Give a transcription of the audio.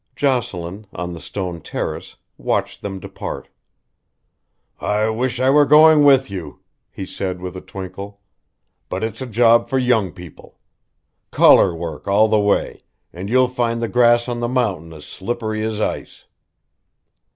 Jocelyn, on the stone terrace, watched them depart. "I wish I were going with you," he said with a twinkle, "but it's a job for young people. Collar work all the way, and you'll find the grass on the mountain as slippery as ice."